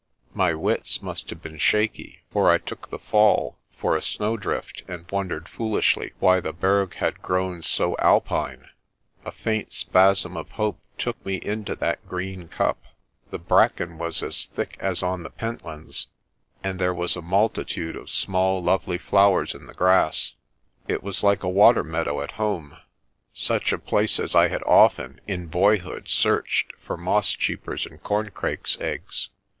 My wits must have been shaky, for I took the fall for a snowdrift and wondered foolishly why the Berg had grown so Alpine. A faint spasm of hope took me into that green cup. The bracken was as thick as on the Pentlands, and there was a multitude of small lovely flowers in the grass. It was like a water meadow at home, such a place as I had often in boyhood searched for moss cheepers' and corncrakes' eggs.